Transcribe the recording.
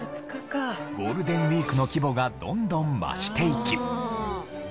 ゴールデンウィークの規模がどんどん増していき。